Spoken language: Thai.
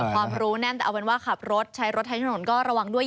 ความรู้แน่นแต่เอาเป็นว่าขับรถใช้รถใช้ถนนก็ระวังด้วย